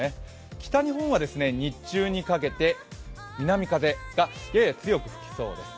北日本は日中にかけて南風がやや強く吹きそうです。